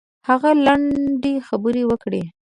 هغه لنډې خبرې وکړې.